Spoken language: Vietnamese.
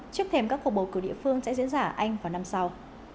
trước thêm các cuộc bầu cử địa phương sẽ diễn ra ở anh vào năm sau